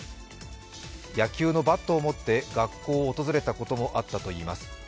野球のバットを持って学校を訪れたこともあったといいます。